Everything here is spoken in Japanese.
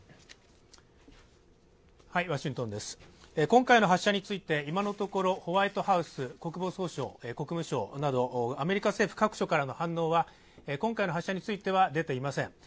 今回の発射について、今のところホワイトハウス、国防総省、国務省などアメリカ政府各所からの反応は、今回の発射については出ていません。